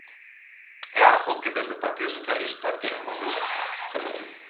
É algo que desde o Partido Socialista queremos deixar claro.